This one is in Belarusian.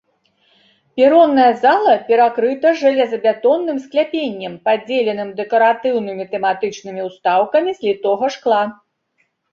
Перонная зала перакрыта жалезабетонным скляпеннем, падзеленым дэкаратыўнымі тэматычнымі ўстаўкамі з літага шкла.